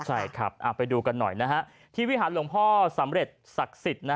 ใช่ครับไปดูกันหน่อยนะฮะที่วิหารหลวงพ่อสำเร็จศักดิ์สิทธิ์